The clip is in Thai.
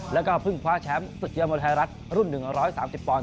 แล้วก็เพิ่งพล้าแชมป์สุดยอมบริธายรัฐรุ่น๑๓๐ปอนด์